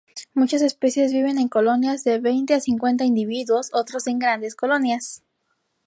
Muchas especies viven en colonias de veinte a cincuenta individuos, otros en grandes colonias.